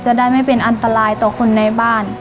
จะได้ไม่เป็นอันตรายต่อคนในบ้าน